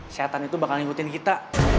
kesehatan itu bakal ngikutin kita